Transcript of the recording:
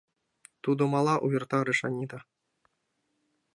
— Тудо мала, — увертарыш Анита.